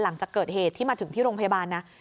หลังจากเกิดเหตุที่มาถึงที่โรงพยาบาลนะ